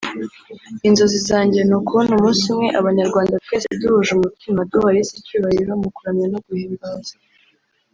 “Inzozi zanjye ni ukubona umunsi umwe abanyarwanda twese duhuje umutima duha Yesu icyubahiro mu kuramya no guhimbaza